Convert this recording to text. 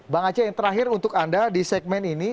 bang aceh yang terakhir untuk anda di segmen ini